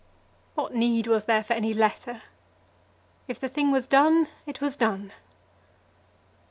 What need was there for any letter? If the thing was done, it was done.